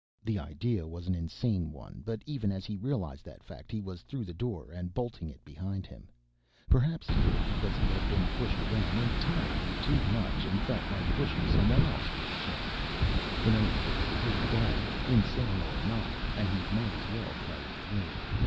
The idea was an insane one, but even as he realized that fact he was through the door and bolting it behind him. Perhaps he did it because he had been pushed around entirely too much and felt like pushing someone else for a change. In any case it was done, insane or not, and he might as well carry through.